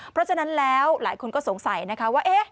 เพราะฉะนั้นแล้วหลายคนก็สงสัยนะคะว่า